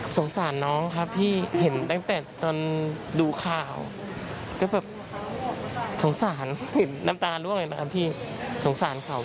สงสารน้องครับพี่เห็นตั้งแต่ตอนดูข่าวก็แบบสงสารเห็นน้ำตาล่วงเลยนะครับพี่สงสารเขา